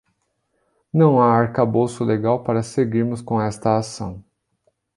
Não há arcabouço legal para seguirmos com esta ação